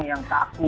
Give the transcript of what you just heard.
yang takut dan berat